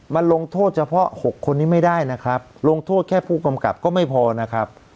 มันลงโทษเฉพาะ๖คนนี้ไม่ได้นะครับลงโทษแค่ผู้กำกับก็ไม่พอนะครับ